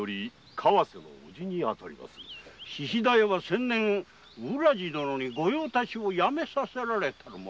菱田屋は先年浦路殿に御用達を辞めさせられた者。